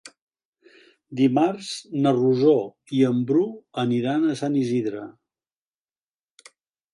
Dimarts na Rosó i en Bru aniran a Sant Isidre.